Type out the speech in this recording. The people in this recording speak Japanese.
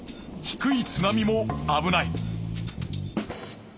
低い津波も危ない。